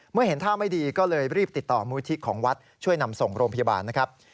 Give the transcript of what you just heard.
เห็นท่าไม่ดีก็เลยรีบติดต่อมูลิธิของวัดช่วยนำส่งโรงพยาบาลนะครับ